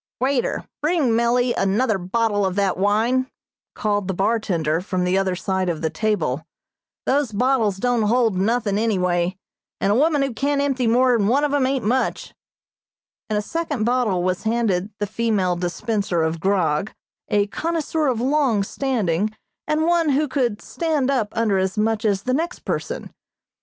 "Waiter, bring Mellie another bottle of that wine," called the bartender, from the other side of the table, "those bottles don't hold nothin' anyway, and a woman who can't empty more'n one of 'em ain't much," and a second bottle was handed the female dispenser of grog, a connoisseur of long standing, and one who could "stand up" under as much as the next person.